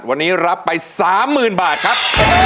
วันนี้รับไปสามหมื่นบาทครับ